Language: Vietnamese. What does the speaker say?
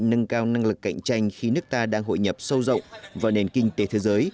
nâng cao năng lực cạnh tranh khi nước ta đang hội nhập sâu rộng vào nền kinh tế thế giới